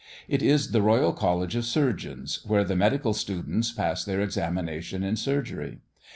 It is the Royal College of Surgeons, where the medical students pass their examination in surgery.